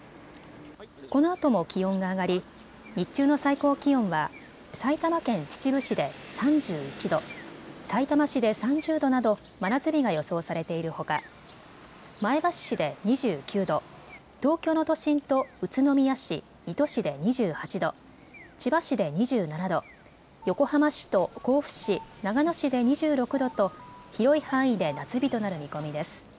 このあとも気温が上がり日中の最高気温は埼玉県秩父市で３１度、さいたま市で３０度など真夏日が予想されているほか前橋市で２９度、東京の都心と宇都宮市、水戸市で２８度、千葉市で２７度、横浜市と甲府市、長野市で２６度と広い範囲で夏日となる見込みです。